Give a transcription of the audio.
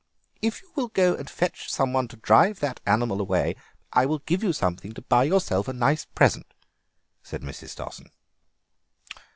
"If you will go and fetch some one to drive that animal away I will give you something to buy yourself a nice present," said Mrs. Stossen.